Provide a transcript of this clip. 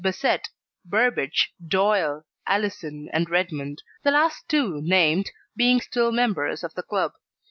Bassett, Burbidge, Doyle, Allison, and Redmond, the last two named being still members of the club.